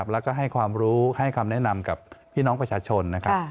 แล้วก็ให้ความรู้ให้คำแนะนำกับพี่น้องประชาชนนะครับ